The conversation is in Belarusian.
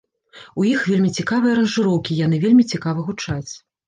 У іх вельмі цікавыя аранжыроўкі і яны вельмі цікава гучаць.